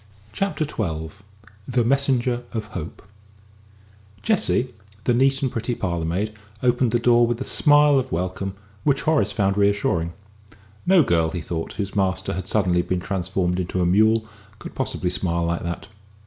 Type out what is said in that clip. CHAPTER XII THE MESSENGER OF HOPE Jessie, the neat and pretty parlour maid, opened the door with a smile of welcome which Horace found reassuring. No girl, he thought, whose master had suddenly been transformed into a mule could possibly smile like that.